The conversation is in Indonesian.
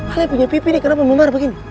ale punya pipi nih kenapa membar begini